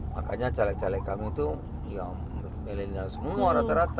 makanya caleg caleg kami tuh ya menurut millennial semua rata rata